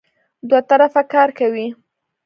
دوه طرفه کار کوي.